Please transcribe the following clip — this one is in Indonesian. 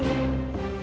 kamu kita akan benar